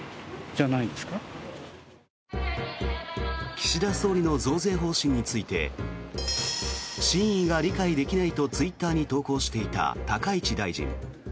岸田総理の増税方針について真意が理解できないとツイッターに投稿していた高市大臣。